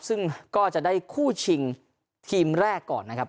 ซึ่งก็จะได้คู่ชิงทีมแรกก่อนนะครับ